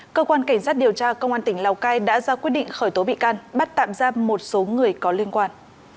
cơ quan cảnh sát điều tra công an tỉnh lào cai đã ra quyết định khởi tố bị can bắt tạm giam một số người có liên quan